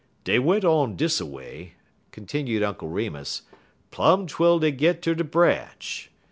"Dey went on dis a way," continued Uncle Remus, "plum twel dey git ter de branch.